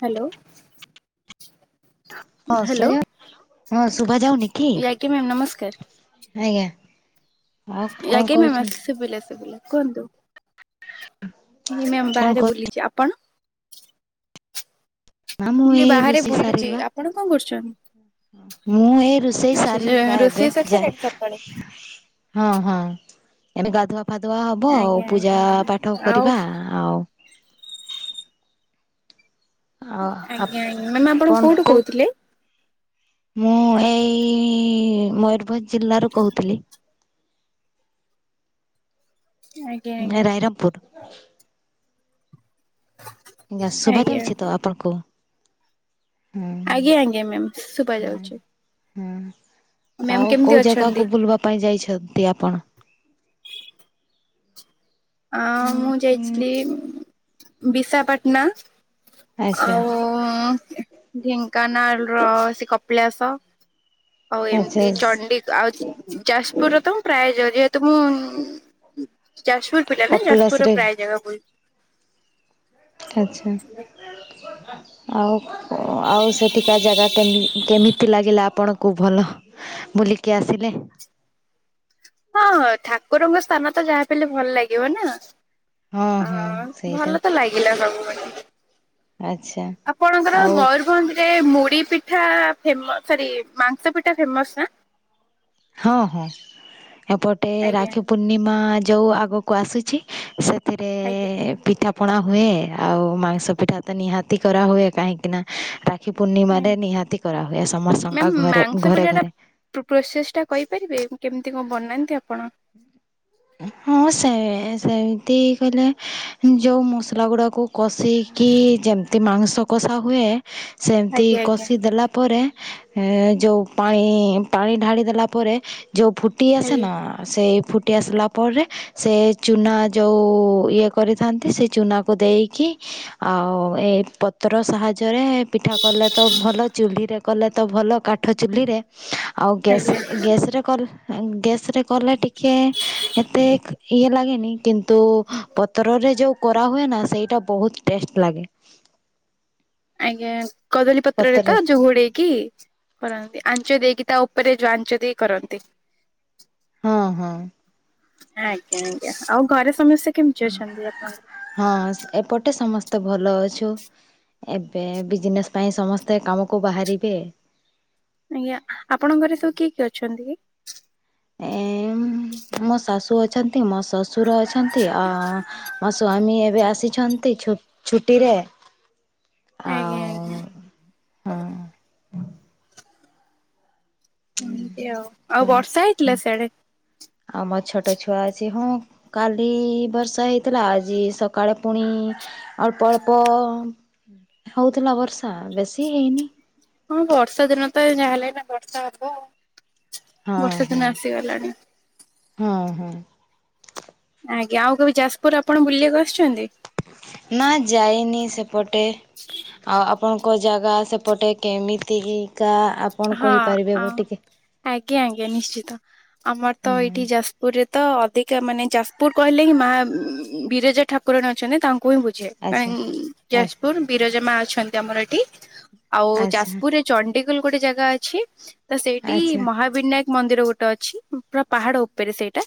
Hello. ହଁ, hello ଶୁଣାଯାଉନି ହଁ, ଶୁଭା ଯାଉନି କି? ଆଜ୍ଞା ମ୍ୟାମ୍ ନମସ୍କାର ଆଜ୍ଞା। ଆଉ କଣ ଆଜ୍ଞା ମ୍ୟାାମ। କରୁଛନ୍ତି ଆସ ଶୁଭିଲା ଶୁଭିଲା। କୁହନ୍ତୁ, ଆଜ୍ଞା ମ୍ୟାମ କଣ ବାହାରେ କରୁ ବୁଲିଚି। ଆପଣ? ମା ମୁଁ ବୁଲି ଏଇ ବାହାରେ ରୁଷେଇ ସାରିଲି ବୁଲୁଛି ବା। ଆପଣ କଣ କରୁଛନ୍ତି? ମୁଁ ଏଇ ରୋଷେଇ ଆଚ୍ଛା ସାରିଲି ବା ଏବେ ରୋଷେଇ ଯାଏ ସରିସାରିଲାଣି ସକାଳୁ? ହଁ ହଁ। ଏବେ ଗାଧୁଆ ଫାଧୁଆ ହବ ଆଉ ଆଜ୍ଞା ପୂଜା ଆଜ୍ଞା ପାଠ ଆଉ କରିବା, ଆଉ ଆଉ ଆଜ୍ଞା। ଆଜ୍ଞା। ମ୍ୟାମ୍ ଆପଣ କୋଉଠୁ କହୁଥିଲେ? ମୁଁ ଏଇ ମୟୂରଭଞ୍ଜ ଜିଲ୍ଲାରୁ କହୁଥିଲି। ଆଜ୍ଞା ଆଜ୍ଞା ରାଇରଙ୍ଗପୁର। ଆ ଆଜ୍ଞା ଶୁଭାଯାଉଛି ଆଜ୍ଞା ତ ଆପଣଙ୍କୁ? ଆଜ୍ଞା ଆଜ୍ଞା ମ୍ୟାମ୍ ଶୁଭା ଯାଉଛି। ହଁ ମ୍ୟାମ୍ ଆଉ କେମିତି କୋଉ ଅଛନ୍ତି? ଜାଗାକୁ ବୁଲବା ପାଇଁ ଯାଇଛନ୍ତି ଆପଣ? ଆ ମୁଁ ଯାଇଥିଲି ବିଶାଖାପାଟନା ଆଚ୍ଛା ଆଉ ଢେଙ୍କାନାଳର ସେ କପିଳାସ ଆଉ ଆଚ୍ଛା ଏମତି ଚଣ୍ଡି ଆଉ ଯାଜପୁରର ତ ମୁଁ ପ୍ରାୟ ଯାଉଛି। ଯେହେତୁ ତ ମୁଁନ ଯାଜପୁର ପିଲା ନା ଯାଜପୁରର କପିଳାସରେ ପ୍ରାୟ ଜାଗା ବୁଲ ଆଚ୍ଛା ଆଉ ଆଉ ସେଠିକା ଜାଗା କେମି କେମିତି ଲାଗିଲା ଆପଣ କୁ ଭଲ ବୁଲିକି ଆସିଲେ। ହଁ ହଁ ଠାକୁରଙ୍କ ସ୍ଥାନ ତ ଯାହା ହେଲେ ଭଲ ଲାଗିବ ନା। ହଁ ହଁ ଆଉ ସେଇଟା ଭଲ ତ ଲାଗିଲା ସବୁବେ ଆଚ୍ଛା ଆପଣଙ୍କର ଆଉ ମୟୂରଭଞ୍ଜ ରେ ମୁ ଢ଼ି ପିଠା ଫେମ ସରି ମାଂସ ପିଠା ଫେମସ୍ ନା ହଁ ହଁ ଏପଟେ ଆଜ୍ଞା ରାକ୍ଷୀ ପୂର୍ଣ୍ଣିମା। ଯେଉଁ ଆଗକୁ ଆସୁଛି ସେଥିରେ ଆଜ୍ଞା ପିଠା ପଣା ହୁଏ ଆଉ ମାଂସ ପିଠା ତ ନିହାତି କରା ହୁଏ କାହିଁକିନା ରା କ୍ଷୀ ପୂର୍ଣ୍ଣିମାରେ ନିହାତି କରାହୁଏ ମ୍ୟାମ୍ ସମସ୍ତଙ୍କ ଘରେ ମାଂସ ଘରେ ଘରେ। ପାରିବେ କେମିତି କଁ ବନାନ୍ତି ଆ ହଁ ସେ ଏଁ ସେମିତି କହିଲେ ଯେଉଁ ମସଲା ଗୁଡ଼ାକୁ କଷିକି ଯେମିତି ମାଂସ କଷା ହୁଏ ସେମିତି ଆଜ୍ଞା ଆଜ୍ଞା କଷି ଦେଲା ପରେ ଏଁ ଯେଉଁ ପାଣି ପାଣି ଢାଳି ଦେଲା ପରେ ଯେଉଁ ଫୁଟି ଆଜ୍ଞା ଆସେନା ଫୁଟି ଆସିଲା ପରେ ସେ ଚୁନା ଯେଉ ଇଏ କରିଥାନ୍ତି ସେ ଚୁନାକୁ ଦେଇକି କି ଆଉ ଏ ପତ୍ରର ସାହାଯ୍ୟରେ ପିଠା କଲେ ତ ଭଲ ଚୁଲ୍ହୀରେ କଲେ ତ ଭଲ କାଠ ଚୁଲ୍ହୀରେ। ଆଉ ଗ୍ୟାସ୍ ଆଜ୍ଞା। ଏଁ ଗ୍ୟାସ୍ କରୁ ଏଁ ଗ୍ୟାସ୍ ରେ ଟିକେ ଏତେ ଇଏ ଲାଗେନି କିନ୍ତୁ ପତରରେ ଯୋଉ କରାହୁଏ ନା ସେଇା ଟା ବୋହୁତ ଟେଷ୍ଟ ଲାଗେ। ଆଜ୍ଞା କଦଳୀ ପତ୍ରରେ ତ ପତ୍ର ଯୋଉ ଘୋଡେଇକି କରନ୍ତି ଆଞ୍ଚ ଦେଇକି। ତା ଓପୋରେ ଯୋଉ ଜାଞ୍ଚ ଦେଇ କରନ୍ତି। ହଁ ହଁ। ଆଜ୍ଞା ଆଜ୍ଞା ଆଉ ଘରେ ସମସ୍ୟା କେମିଚି ଅଛନ୍ତି ଆପଣଙ୍କର। ତ ଭଲ ଅଛୁ। ଏବେ ବିଜିନେସ୍ ପାଇଁ ସମସ୍ତେ କାମକୁ ବାହାରିବେ। ଆଜ୍ଞା ଆପଣଙ୍କ ଘରେ ସବୁ କିଏ କିଏ ଅଛନ୍ତି କି। ଏଁମ୍ ମୋ ଶାଶୁ ଅ ନ୍ତି ମୋ ଶଶୁର ଅଛନ୍ତି ଆଉ ମୋ ସ୍ଵାମୀ ଏ ଏବେ ଆସିଛନ୍ତି ଛୁ ଛୁଟିରେ। ଆଜ୍ଞା ଆଉ ଆଜ୍ଞା ହଁ। ଏମିତି ଆଉ ଆଉ ବର୍ଷା ହେଇଥିଲା ସିଆଡେ। ଆଉ ମୋ ଛୋଟୋ ଛୁଆ ଅଛି ହଁ କାଲି ବର୍ଷା ହେଇଥିଲା ଆଜି ସକାଳେ ପୁଣି ଅଳ୍ପ ଅଳ୍ପ ହୋଉଥିଲା ବର୍ଷା ବେଶୀ ହେଇନି। ହଁ ବର୍ଷା ଦିନ ତ ଏ ଯାହା ହେଲେ ଏବେ ବର୍ଷା ହବ ଆଉ। ହଁ ବର୍ଷା ହଁ ଦିନ ଆସିଗଲାଣି। ହଁ ହଁ ଆଜ୍ଞା ଆଉ କେବେ ଯାସପୁର ଆପଣ ବୁଲିବାକୁ ଆସୁଛନ୍ତି। ନା ଯାଇନି ସେପଟେ ଆ ପଣଙ୍କ ଜାଗା ସେପଟେ କେମିତିହିକା ଆପଣ ହଁ କହିପାରିବେ ଆଉ ଟିକେ। ଆଜ୍ଞା ଆଜ୍ଞା ନିଶ୍ଚିତ ଆମର ତ ଏଇଠି ହୁଁ ଯାସପୁରରେ ତ ଅଧିକା ମାନେ ଯାସପୁର କହିଲେ ହିଁ ମା ଉଁ ବିରଜା ଠାକୁରଣୀ ଅଛନ୍ତି ତା ଙ୍କୁ ହିଁ ବୁଝେ କାହିଁ ଆଚ୍ଛା ଯାଜପୁର ବିରଜା ମା ଅଛନ୍ତି ଆମର ଏଠି ଆଉ ଆଚ୍ଛା ଯାସପୁରରେ ଚଣ୍ଡିଖୋଲ ଗୋଟେ ଜାଗା ଅଛି ତ ସେଇଟି ଆଚ୍ଛା ମହାବିନାୟକ ମନ୍ଦିର ଗୋଟେ ଅଛି ପୁରା ପାହାଡ ଉପେରେ ସେଇଟା।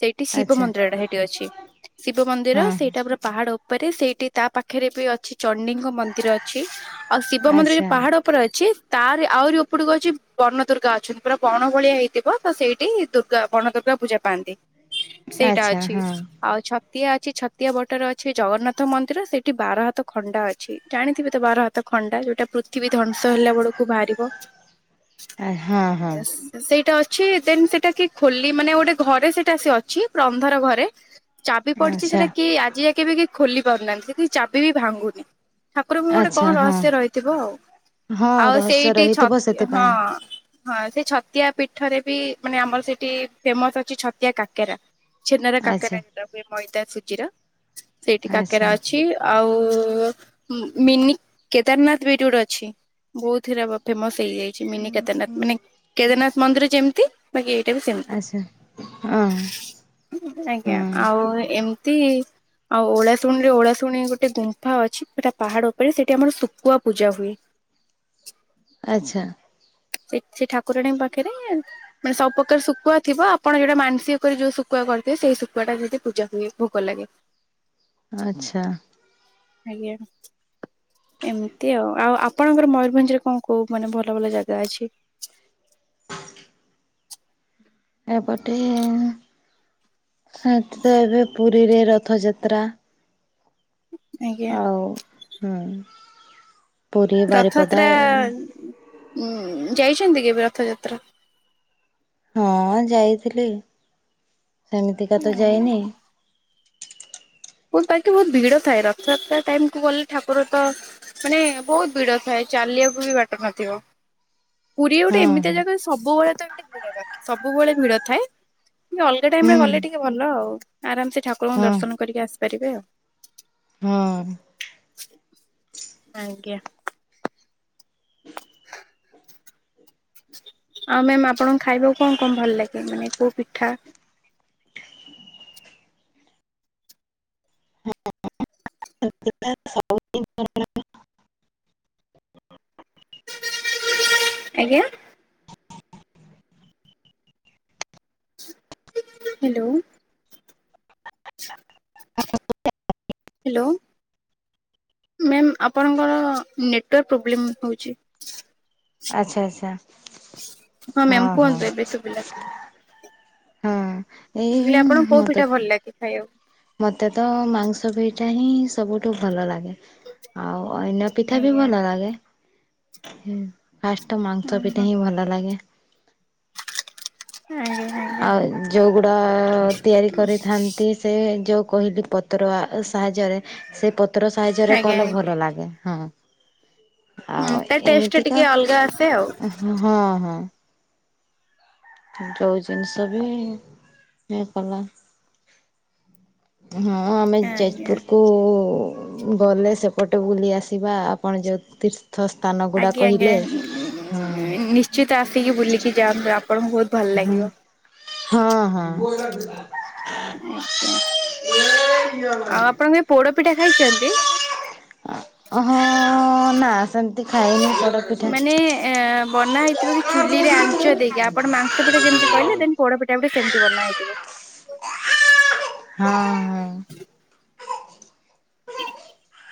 ସେଇଠି ଶିବ ମନ୍ଦିରଟା ହେଇଠି ଅଛି ଶିବ ମନ୍ଦିର ସେଇଟା ପୁରା ପାହାଡ ଉପରେ ସେଇଠି ତା ପାଖେରେ ବି ଅଛି। ଚଣ୍ଡୀଙ୍କ ମନ୍ଦିର ଅଛି ଆଉ ଶିବ ମନ୍ଦିର ଯୋଉ ଆଚ୍ଛା ପାହାଡ ଉପରେ ଅଛି ତାରି ଆହୁରି ଉ ଏପଟ ଅଉଛି ବନ ଦୁର୍ଗା ଅଛନ୍ତି ପୁରା ବଣ ଭଳିଆ ହେଇଥିବ ତ ସେଇଠି ଦୁର୍ଗା ବଣ ଦୁର୍ଗା ପୂଜା ପାଆନ୍ତି। ସେଇଟା ଆଚ୍ଛା ହଁ ଆଚ୍ଛା ଆଚ୍ଛା ଅଛି ହଁ ଆଉ ଛ ଛତିଆ ଅଛି ଛତିଆ ବଟରେ ଅଛି ଜଗନ୍ନାଥ ମନ୍ଦିର ସେଠି ବାର ହାତ ଖଣ୍ଡା ଅଛି ଜାଣିଥିବେ ତ ବାର ହାତେ ଖଣ୍ଡା ଯୋଉଟା ପୃଥିବୀ ଧ୍ୱଂସ ହେଲା ବେଳକୁ ବାହାରିବ। ଆ ହଁ ହଁ। ଛି ଦିନ ସେଟା ଖୋଲି ମାନେ ଗୋଟେ ଘରେ ସେଟା ସେ ଅଛି ଅନ୍ଧାର ଘରେ ଚାବି ପଡ଼ିଛି ଆଚ୍ଛା ସେଟା କିଏ ଆଜି ଯାକେ ବି କେହି ଖୋଲି ପାରୁନାହାନ୍ତି ସେଥି ଚାବି ବି ଭାଙ୍ଗୁନି। ଠାକୁରଙ୍କୁ ଗୋଟେ କଣ ଆଚ୍ଛା ହଁ ରହସ୍ୟ ରହିଥିବ ଆଉ ହଁ ଆଉ ରହସ୍ୟ ସେଇଠି ରହିଥିବ ଛତି ହଁ। ସେଥିପାଇଁ ହଁ ସେ ଛତିଆ ପୀଠରେ ବି ମାନେ ଆମର ସେଠି ଫେମସ ଅଛି ଛତିଆ କାକେରା। ଛେନର କାକେରା ଆଚ୍ଛା ପିଠା ହୁଏ ମଇଦା ସୁଜିର ସେଇଠି କାକେରା ଆଚ୍ଛା ଅଛି। ଆଉ ମିନି କେଦାରନାଥ ବିଟ ଗୋଟେ ଅଛି ବହୁତ ହେରା ଫେମସ। ଯାଇଛି ମିନି କେଦାରନାଥ ମାନେ କେଦାରନାଥ ମନ୍ଦିର ଯେମିତି ବାକି ଏଇଟା ବି ସେମତି ଆଚ୍ଛା ହଁ ଆଜ୍ଞା ହଁ ଆଉ ଏମ୍ ତି ଆଉ ଓଳାଶୁଣୀ ରେ ଓଳାଶୁଣୀ ଗୋଟେ ଗୁମ୍ଫା ଅଛି ସେଟା ପାହାଡ଼ ଉପରେ ସେଠି ଆମର ଶୁଖୁଆ ପୂଜା ହୁଏ। ଆଚ୍ଛା। ସେ ସେ ଠାକୁରାଣୀଙ୍କ ପାଖରେ ମାନେ ସବୁପ୍ରକାର ଶୁଖୁଆ ଥିବ ଆପଣ ଯୋଉଟା ମାନସିକ କରି ଯୋଉ ଶୁଖୁଆ କରିଥିବେ ସେଇ ଶୁଖୁଆ ଟା ଯଦି ପୂଜା ହୁଏ ଭୋଗ ଲାଗେ। ଆଚ୍ଛା। ଆଜ୍ଞା ଏମିତି ଆଉ ଆଉ ଆପଣଙ୍କର ମୟରଭଞ୍ଜ ରେ କଣ କୁ କୋଉ ମାନେ ଭଲ ଭଲ ଜାଗା ଅଛି? ଏପଟେ ସେଠି ତ ଏବେ ପୁରୀରେ ରଥଯାତ୍ରା ଆଜ୍ଞା ଆଉ ହୁଁ। ପୁରୀ ବାରିପଦା ରଥଯାତ୍ରା ଏ ଯାଇଛନ୍ତି କେବେ ରଥଯାତ୍ରା? ହଁ ଯାଇଥିଲି ସେମିତିକା ତ ଆଜ୍ଞା। ଯାଇନି। ତାକି ବହୁତ ଭିଡ଼ ଥାଏ ରଥଯାତ୍ର ଟାଇମ କୁ ଗଲେ ଠାକୁର ତ ମାନେ ବହୁତ ଭିଡ଼ ଥାଏ। ଚାଲିବାକୁ ବି ବାଟ ନଥିବ। ପୁରୀ ଗୋଟେ ହଁ ଏମିତିଆ ହଁ ଜାଗା ସବୁବେଳେ ତ ଭି ବାକି ସବୁବେଳେ ଭିଡ଼ ଥାଏ ଟେ ଅଲଗା ଟାଇମ ରେ ହୁଁ ଗଲେ ଟିକେ ଭଲ ଆଉ ଆରାମ୍ ସେ ଠାକୁରଙ୍କୁ ହଁ ଦର୍ଶନ କରିକି ଆସିପାରିବେ ଆଉ। ହଁ ଆଜ୍ଞା। ଆଉ ମ୍ୟାମ୍ ଆପଣଙ୍କ ଖାଇବାକୁ କଣ କଣ ଭଲ ଲାଗେ ମାନେ କୋଉ ପିଠା? [unintelligible] ଆଜ୍ଞା। ହାଲୋ। ହେଲୋ। ମ୍ୟାମ୍ ଆପଣଙ୍କର ନେଟୱାର୍କ ପ୍ରୋବ୍ଲେମ୍ ହଉଛି। ଆଚ୍ଛା ଆଚ୍ଛା ହଁ ମ୍ୟାମ୍ କୁହନ୍ତୁ ଏବେ ଶୁଭିଲା ହଁ। ହଁ ମୁଁ କହିଲି ଆପଣଙ୍କୁ ଏଇ କୋଉ ପିଠା ମତେ ଭଲ ଲାଗେ ଖାଇବାକୁ? ମତେ ତ ମାଂସ ପିଇଠା ହିଁ ସବୁଠୁ ଭଲ ଲାଗେ। ଆଉ ଅଇନା ପିଠା ବି ଆଜ୍ଞା। ଭଲ ଲାଗେ। ଫାଷ୍ଟ ହୁଁ ମାଂସ ହୁଁ ପିଠା ହିଁ ଭଲ ଲାଗେ। ଆଜ୍ଞା ଆଜ୍ଞା। ଆଉ ଯୋଉଗୁଡ଼ା ତିଆରି କରିଥାନ୍ତି ସେ ଯୋଉ କହିଲି ପତ୍ର ସାହାଯ୍ୟରେ ସେ ପତ୍ର ସାହାଯ୍ୟରେ ଆଜ୍ଞା କଲେ ଭଲ ଲାଗେ ହଁ। ଆଜ୍ଞା ଆଉ ତା ଟେଷ୍ଟ ଟା ଏମିତିକା ଟିକେ ଅଲଗା ଆସେ ଆଉ। ହଁ ହୁଁ। ଯୋଉ ଜିନିଷ ବି ଇଏ କଲା ହଁ ଆମେ ଆଜ୍ଞା ଯାଜପୁରକୁ ଗଲେ ସେପଟେ ବୁଲି ଆସିବା ଆପଣ ଯୋଉ ସ୍ଥାନ ଗୁଡା ଆଜ୍ଞା ଆଜ୍ଞା କହିଲେ ହଁ ନିଶ୍ଚିତ ଆସିକି ବୁଲିକି ଯାଆନ୍ତୁ ଆ ପଣଙ୍କୁ ବହୁତ ଭଲ ଲାଗିବ। ହଁ ଆଜ୍ଞା ହଁ। ଆଉ ଆପଣ କେବେ ପୋଡପିଠା ଖାଇଛନ୍ତି। ହଁ ନା ସେମିତି ଖାଇନି। ପୋଡପିଠା ମାନେ ଏ ବନା ହେଇଥିବ କି ହଁ ଚୁଲିରେ, ଆଞ୍ଚ ଦେଇକି ଆପଣ ମାଂସ ପଟେ ଯେମିତି କହିଲେ ସେମିତି ପଡ ପୋଡ଼ ପିଠା ବି ସେମିତି ବନା ହେଇଥିବ। ହଁ ହଁ।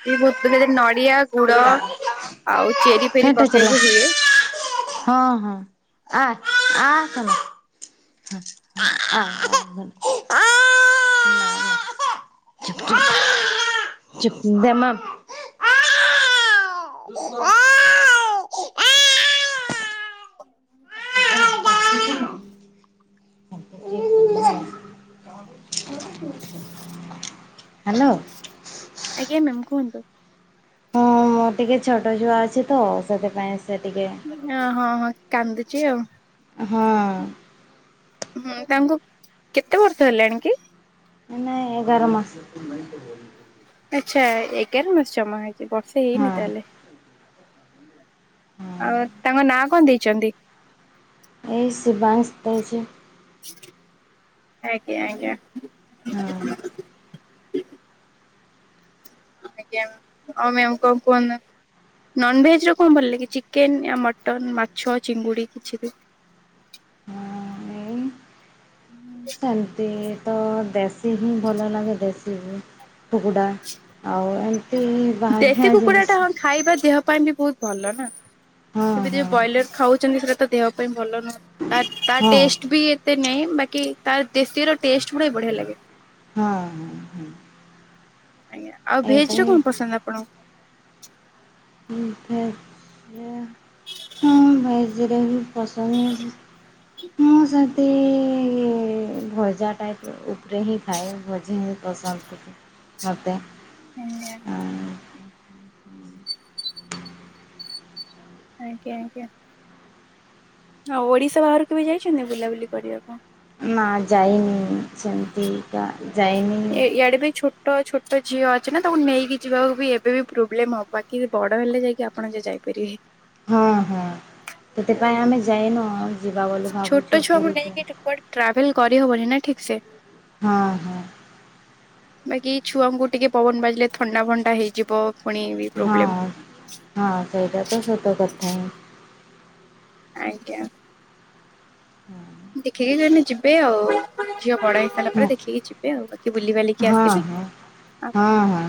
ବି ଭୁ ନ [unintelligible] ନଡିଆ ଗୁଡ ଆଉ ଚେରି ଫେରି ଫେଟ ଚଲା ପକେଇକି ହୁଏ। ହଁ ହଁ ଆ ଆ କଣ? [inaudible] ଚୁପ୍ ଚୁପ୍ ଚୁପ ଦେମା [inaudible] [inaudible] ହ୍ୟାଲୋ! ଆଜ୍ଞା ମ୍ୟାମ କୁହନ୍ତୁ? ମୁଁ ଟିକେ ଛୋଟ ଛୁଆ ଅଛି ତ ସେଥିପାଇଁ ସେ ଟିକେ ଅ ହଁ ହଁ କାନ୍ଦୁଚଛି ଆଉ। ହଁ। ହୁଁ ତାଙ୍କୁ କେତେ ବର୍ଷ ହେଲାଣି କି? ନାଇ ନାଇ ଏଗାର ମାସ। ଆଛା ଏଗାର ମାସ ଜମା ହେଛି ବର୍ଷା ହଁ ହେଇନି ତାହେଲେ? ହଁ ଆଉ ତାଙ୍କ ନାଁ କଣ ଦେଇଛନ୍ତି? ଏଇ ସିବାଂଶ ଦେଇଛି। ଆଜ୍ଞା ଆଜ୍ଞା। ହଁ। [inaudible] ଆଜ୍ଞା ଆଉ ମ୍ୟାମ କଣ କୁହନ୍ତୁ? ନନଭେଜରେ କଣ ଭଲ ଲାଗେ ଚିକେନ ୟା ମଟନ ମାଛ ଚିଙ୍ଗୁଡି କିଛି ବି ହଁ ସେମିନ୍ତି ତ ଦେଶୀ ହିଁ ଭଲ ଲାଗେ ଦେଶୀ ହିଁ। କୁକୁଡ଼ା ଆଉ ଏମିତି ଦେଶୀ ବାହାରିଆ କୁକୁଡା ଟା ଜିନିଷ ହଁ ଖାଇବା ଦେହ ପାଇଁ ବି ବହୁତ ଭଲ ନା ହଁ ଏବେ ଯିଏ ହଁ ବ୍ରଏଲର ଖାଉଛନ୍ତି ସେଇଟା ତ ଦେହ ପାଇଁ ଭଲ ନୁହଁ ତା ହଁ ଟେଷ୍ଟ ବି ଏତେ ନାଇଁ ବାକି ତାର ଦେଶୀର ଟେଷ୍ଟ ଗୁଡା ବଢିଆ ଲାଗେ। ହଁ ହଁ ହଁ। ଆଜ୍ଞା ଆଉ ଏଇଟା ଭେଜ ରେ କଣ ହିଁ ପସନ୍ଦ ଆପଣଙ୍କୁ? ଫସଆ [inaudible] ହଁ ଭେଜରେ ବି ପସନ୍ଦ ହେଛି ମୁଁ ସେଠୀ ଭଜା ଟାଇପ ଉପରେ ହିଁ ଖାଏ ଭଜା ହ ସ ଘରତ [inaudible] ହୁଁ [unintelligible] ଆଜ୍ଞା ଆଜ୍ଞା। ଆଉ ଓଡିଶା ବାହାରକୁ କେବେ। ଯାଇଛନ୍ତି ବୁଲାବୁଲି କରିବାକୁ ନା ଯାଇନି ସେମିତିକା ଯାଇନି ଏଇଆଡେ ବି ଛୁଟ ଛୋଟ ଛୋଟ ଝିଅ ଅଛି ନା ତାକୁ ନେଇକି ଯିବାକୁ ବି ଏବେ ବି ପ୍ରୋବ୍ଲେମ୍ ହେବ ବାକି ବଡ଼ ହେଲେ ଯାଇକି ଆପଣ ଯାଇପାରିବେ। ଏରେ ହଁ ହଁ ସେଥିପାଇଁ ଆମେ ଯାଇନୁ। ଯିବା ବୋଲି ଛୋଟ ଭାବୁଛୁ ଛୁଆଙ୍କୁ ପୁରୀକୁ। ନେଇକି କୁଆଡେ ଟ୍ରାଭେଲ କରିହବନି ନା ଠିକ୍ ସେ। ହଁ ହଁ। ବାକି ଛୁଆଙ୍କୁ ଟିକେ ପବନ ବାଜିଲେ ଥଣ୍ଡା ଫଣ୍ଡା ହେଇଯିବ। ପୁଣି ବି ପ୍ରୋବ୍ଲେମ ହଁ ହଁ ସେଇଟା ତ ସତ କଥା ହିଁ ଆଜ୍ଞା। ଦେଖିକି କହେ ଯିବେ ଆଉ। ଝିଅ ବଡ ହେଇସାରିଲ ପରେ ହଁ ଦେଖିକି ଯିବେ ଆଉ ବାକି ବୁଲି ବଲିକି ହଁ ଆସିବେ। ହଁ ହଁ ହଁ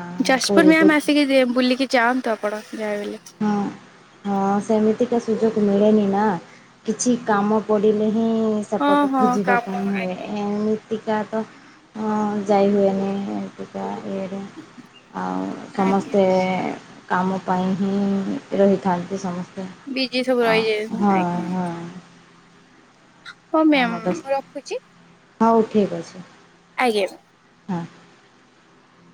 ଆଁ ଯାଜପୁର ପୁରୀକୁ ମ୍ୟାାମ୍ ଆସିକି ବୁଲିକି ଯାଆନ୍ତୁ ଆପଣ। ଯାହା ବଲେ ହଁ ହଁ ସେମିତିକାା ସୁଯୋଗ ମିଳେନି ନା କିଛି କାମ ପଡିଲେ। ହିଁ ହଁ ସେପଟ ହଁ ଖୋଜିବା କାମ ପାଇଁ ହୁଏ ଆଜ୍ଞା ଏମିତି ଟିକ ତ ଯାଇ ହୁଏନି ଟିକେ ଇଏରେ ଆଉ ଆଜ୍ଞା ସମସ୍ତେ କାମ ପାଇଁ। ହିଁ ରହିଥାନ୍ତି ସମସ୍ତେ ବିଜି ସବୁ ଆ ହଁ ରହିଯାଉଛନ୍ତି ଆଜ୍ଞା ହଁ। ହଁ ମ୍ୟାାମ୍ ଆମ ବସ୍ ରଖୁଛି। ହଉ ଠିକ୍ ଅଛି। ଆଜ୍ଞା। ହଁ।